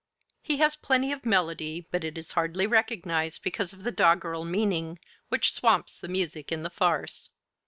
He has plenty of melody, but it is hardly recognized because of the doggerel meaning, which swamps the music in the farce.